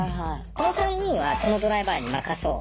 この３人はこのドライバーに任そう。